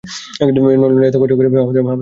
নইলে এত কষ্ট করে আমাদের সে গাঁয়ে তোমরা যাবে কেন?